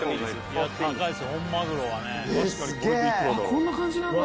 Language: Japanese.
こんな感じなんだ。